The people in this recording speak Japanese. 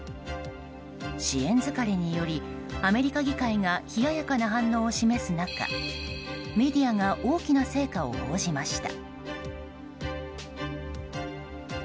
支援疲れにより、アメリカ議会が冷ややかな反応を示す中メディアが大きな成果を報じました。